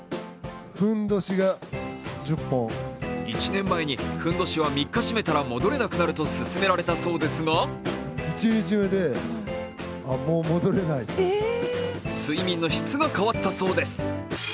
１年前、ふんどしは３日締めたら戻れなくなると勧められたそうですが睡眠の質が変わったそうです。